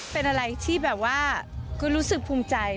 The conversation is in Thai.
เป็นอะไรที่แบบว่าก็รู้สึกภูมิใจ